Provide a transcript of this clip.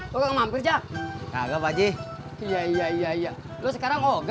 lo gak mau kerja kagak pak haji iya iya iya lo sekarang